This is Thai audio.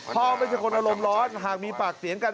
ไม่ใช่คนอารมณ์ร้อนหากมีปากเสียงกัน